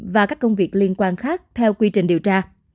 và các công việc liên quan khác theo quy trình điều tra